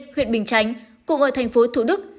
huyện bình chánh cùng ở tp thủ đức